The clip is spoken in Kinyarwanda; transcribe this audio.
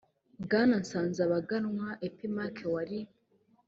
bwana nsanzabaganwa epimaque wari